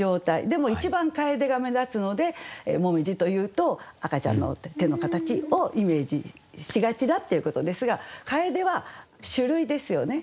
でも一番楓が目立つので紅葉というと赤ちゃんの手の形をイメージしがちだっていうことですが「楓」は種類ですよね。